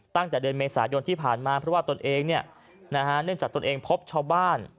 ตั้งแต่เดือนเมษายนที่ผ่านมาเพราะว่าตนเองเนื่องจากตนเองพบชาวบ้าน